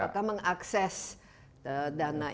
apakah mengakses dana itu